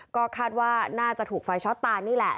ก็คาดว่าน่าจะถูกไฟช็อตตานี่แหละ